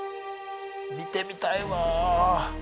見てみたいわ。